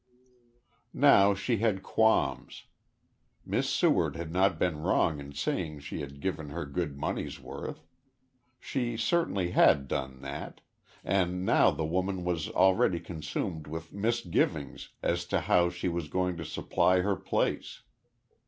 Now she had qualms. Miss Seward had not been wrong in saying she had given her good money's worth. She certainly had done that, and now the woman was already consumed with misgivings as to how she was going to supply her place.